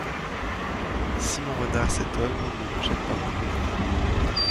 Simon Renard Cet homme ne me gêne pas moins que vous.